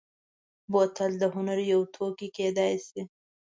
بوتل د هنر یو توکی کېدای شي.